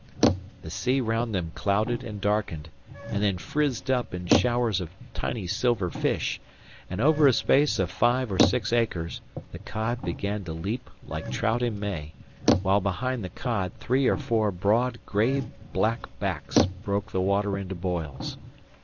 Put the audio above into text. The sea round them clouded and darkened, and then frizzed up in showers of tiny silver fish, and over a space of five or six acres the cod began to leap like trout in May; while behind the cod three or four broad gray backs broke the water into boils.